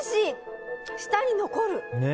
舌に残る。